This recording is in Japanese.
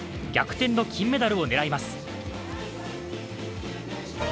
逆転の金メダルを狙います。